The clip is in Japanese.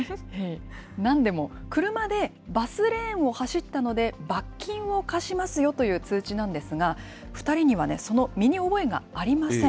なんでも、車でバスレーンを走ったので、罰金を科しますよという通知なんですが、２人にはその身に覚えがありません。